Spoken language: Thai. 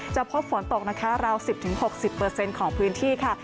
พบฝนตกนะคะราว๑๐๖๐ของพื้นที่ค่ะ